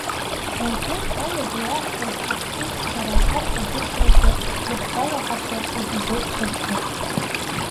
Уажәы аҩада иаҳҳәаз ахшыҩзцара арҵабыргразы иаҳгәалаҳаршәап епизод ҭыԥқәак.